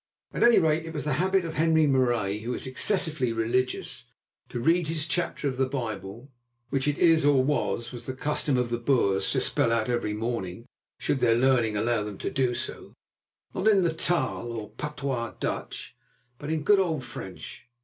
At any rate, it was the habit of Henri Marais, who was excessively religious, to read his chapter of the Bible (which it is, or was, the custom of the Boers to spell out every morning, should their learning allow them to do so), not in the taal or patois Dutch, but in good old French.